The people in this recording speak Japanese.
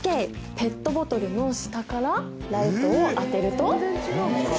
ペットボトルの下からライトを当てると。